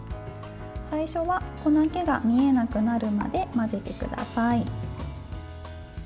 最初は粉けが見えなくなるまで混ぜてください。